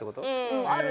うんある。